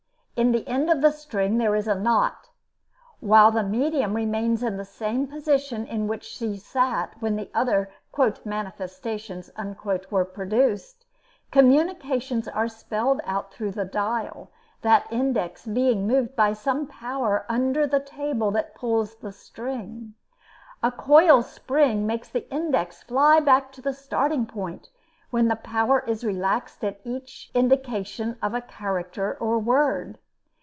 In the end of the string there is a knot. While the medium remains in the same position in which she sat when the other "manifestations" were produced, communications are spelled out through the dial, the index being moved by some power under the table that pulls the string. A coil spring makes the index fly back to the starting point, when the power is relaxed at each indication of a character or word.